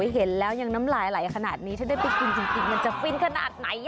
เห็นแล้วยังน้ำลายไหลขนาดนี้ถ้าได้ไปกินจริงมันจะฟินขนาดไหน